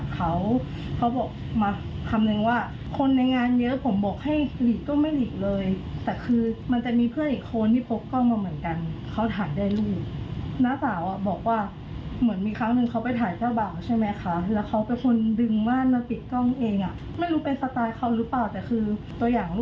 ค่ะก็คงเดินไปติ๊กเลยแต่มันจะมีเพื่อนอีกคนที่พบกล้องเหมือนกัน